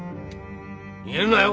逃げるなよ！